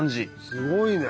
すごいね。